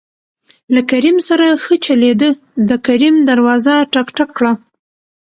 له کريم سره ښه چلېده د کريم دروازه ټک، ټک کړه.